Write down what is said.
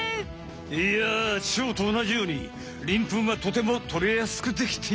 いやチョウとおなじようにりんぷんはとてもとれやすくできている。